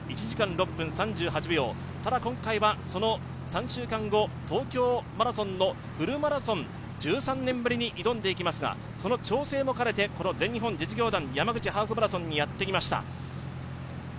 １時間６分３８秒、ただ今回は３週間後、東京マラソンのフルマラソン１３年ぶりに挑んでいきますがその調整もかねてこの実業団山口ハーフマラソンにやってまいりました。